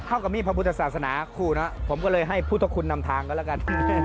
แล้วก็มีพระพุทธศาสนาคู่นะผมก็เลยให้พุทธคุณนำทางแล้วล่ะกัน